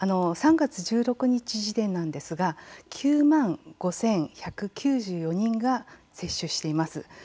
３月１６日時点なんですが９万５１９４人が接種しています。